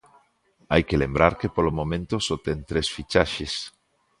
Hai que lembrar que polo momento só ten tres fichaxes.